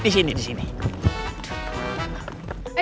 satu dua tiga